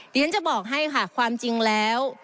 เดี๋ยวฉันจะบอกให้ค่ะความจริงแล้ว